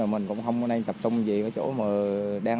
mình cũng không nên tập trung gì ở chỗ mà đang